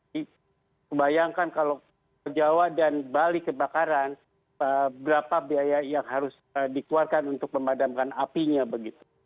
jadi bayangkan kalau ke jawa dan bali kebakaran berapa biaya yang harus dikeluarkan untuk memadamkan apinya begitu